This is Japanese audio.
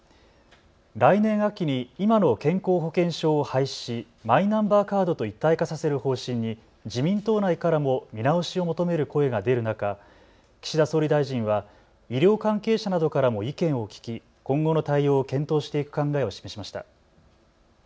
来年秋に今の健康保険証を廃止しマイナンバーカードと一体化させる方針に自民党内からも見直しを求める声が出る中、岸田総理大臣は医療関係者などからも意見を聞き、今後の対応を検討していく考えを示しました。